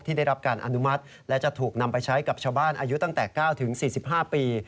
ได้รับการอนุมัติและจะถูกนำไปใช้กับชาวบ้านอายุตั้งแต่๙๔๕ปี